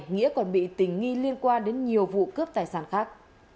nghĩa còn bị tình nghi liên quan đến nhiều vụ cướp tài sản khác